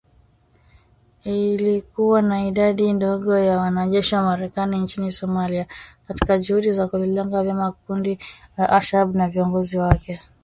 Ili kuwa na idadi ndogo ya wanajeshi wa Marekani nchini Somalia, katika juhudi za kulilenga vyema kundi la al-Shabaab na viongozi wake